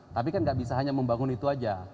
tapi kan gak bisa hanya membangun itu saja